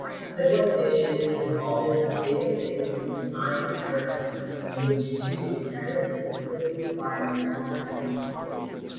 Civilization is evolv | ing a state of things and a. kind of character, in which two apparently conflicting requirements are reconciled.